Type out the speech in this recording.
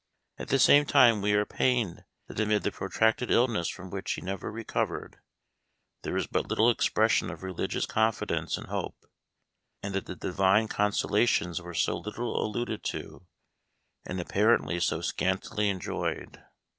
At the same time we are pained that amid the protracted illness from which he never recovered there is but little expression of religious confidence and hope, and that the Divine consolations were so little alluded to, and apparently so scantily enjoyed.